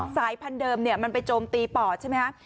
สายพันธุเดิมมันไปโจมตีปอดใช่ไหมคะ